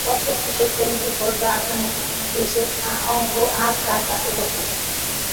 করকোষ্ঠির সেই পরিণত ফলটা আপনি যেচে আজ তার কাছে উপস্থিত।